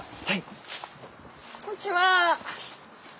はい。